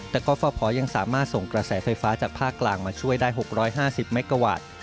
แต่กฟภยังสามารถส่งกระแสไฟฟ้าจากภาคกลางมาช่วยได้๖๕๐เมกาวัตต์